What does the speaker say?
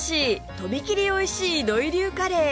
とびきりおいしい土井流カレー